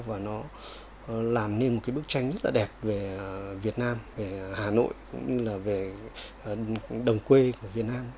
và nó làm nên một cái bức tranh rất là đẹp về việt nam về hà nội cũng như là về đồng quê của việt nam